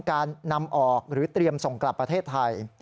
การนำออกหรือเตรียมส่งกลับประเทศไทย